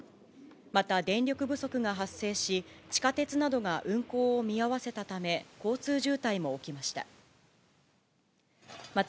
また電力不足が発生し、地下鉄などが運行を見合わせたため、交通渋滞も起きました。